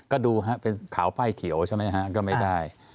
ขาวป้ายเขียวใช่ไหมครับก็ไม่ได้